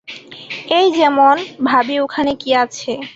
এই যেমন, ভাবি ওখানে কী আছে।